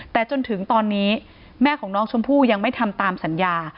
แต่จนถึงตอนนี้แม่ของน้องชมพู่ยังไม่ทำตามสัญญา